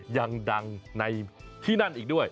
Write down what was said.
ยังดังในที่นั่นอีกด้วย